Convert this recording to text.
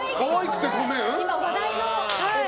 今話題の。